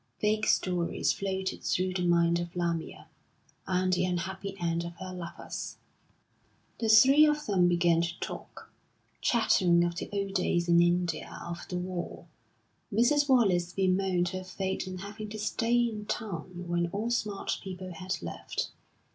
Vague stories floated through the mind of Lamia, and the unhappy end of her lovers. The three of them began to talk, chattering of the old days in India, of the war. Mrs. Wallace bemoaned her fate in having to stay in town when all smart people had left.